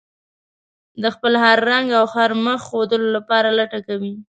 د خپل هر رنګ او هر مخ ښودلو لپاره لټه کوي.